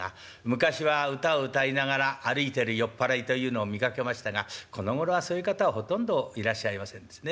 昔は歌を歌いながら歩いてる酔っ払いというのを見かけましたがこのごろはそういう方はほとんどいらっしゃいませんですね。